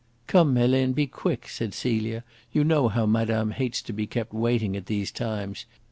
"Come, Helene, be quick," said Celia. "You know how madame hates to be kept waiting at these times.